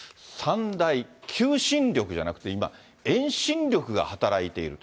３大求心力じゃなくて、今、遠心力が働いている。